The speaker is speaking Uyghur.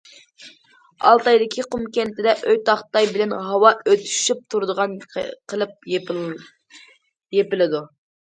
ئالتايدىكى قۇم كەنتىدە ئۆي تاختاي بىلەن ھاۋا ئۆتۈشۈپ تۇرىدىغان قىلىپ يېپىلىدۇ.